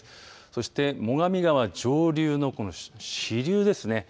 そして、最上川上流の支流ですね。